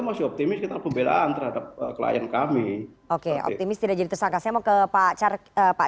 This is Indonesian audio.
masih optimis kita pembelaan terhadap klien kami oke optimis tidak jadi tersangka saya mau ke pak